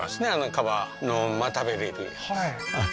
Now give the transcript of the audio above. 皮のまま食べれるやつ